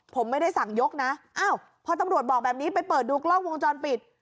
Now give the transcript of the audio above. ผมไม่ได้สั่งยกนะอ้าวพอตำรวจบอกแบบนี้ไปเปิดดูกล้องวงจรปิด